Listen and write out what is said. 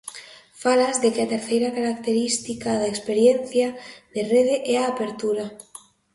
Falas de que a terceira característica da experiencia de rede é a apertura.